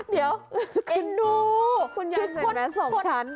เดี๋ยวดูคุณยายใส่แมสสองชั้น